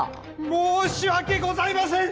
ももも申し訳ございません！